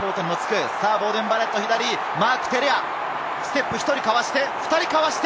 マーク・テレア、ステップ１人かわして、２人かわして。